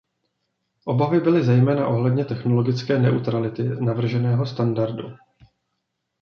Obavy byly zejména ohledně technologické neutrality navrženého standardu.